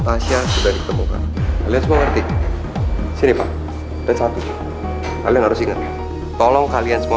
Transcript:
tasya sudah ditemukan lihat ngerti sini pak dan satu hal yang harus ingat tolong kalian semua